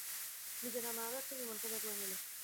নিজের নামে আরো একটা বিমান খোদাই করে নিলে।